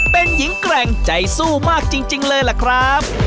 เป็นหญิงแกร่งใจสู้มากจริงเลยล่ะครับ